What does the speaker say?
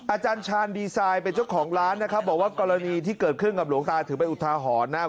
อาจารย์ชาญดีไซน์เป็นเจ้าของร้านนะครับบอกว่ากรณีที่เกิดขึ้นกับหลวงตาถือเป็นอุทาหรณ์นะครับ